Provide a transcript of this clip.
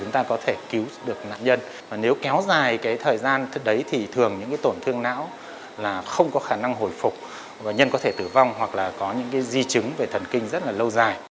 thứ đấy thì thường những tổn thương não là không có khả năng hồi phục và nhân có thể tử vong hoặc là có những di chứng về thần kinh rất là lâu dài